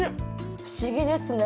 不思議ですね。